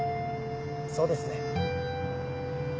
そうですね。